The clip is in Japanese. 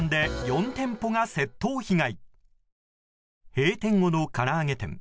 閉店後のから揚げ店。